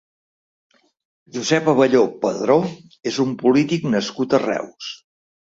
Josep Abelló Padró és un polític nascut a Reus.